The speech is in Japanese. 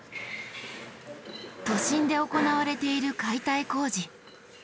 都心で行われている解体工事。